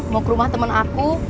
mau ke rumah teman aku